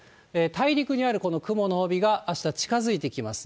大陸にあるこの雲の帯が、あした、近づいてきます。